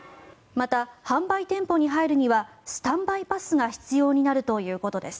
また、販売店舗に入るにはスタンバイパスが必要になるということです。